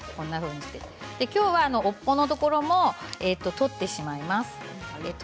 きょうは尾っぽのところも取ってしまいます。